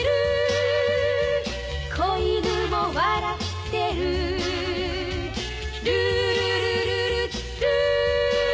「小犬も笑ってる」「ルールルルルルー」